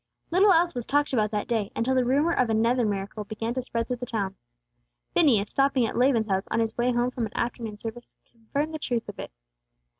Little else was talked about that day, until the rumor of another miracle began to spread through the town. Phineas, stopping at Laban's house on his way home from an afternoon service, confirmed the truth of it.